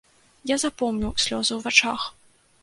Я запомніў слёзы ў вачах.